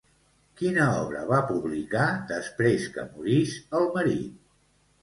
Quina obra va publicar després que morís el marit?